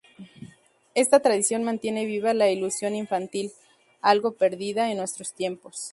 Esta tradición mantiene viva la ilusión infantil, algo perdida en nuestros tiempos.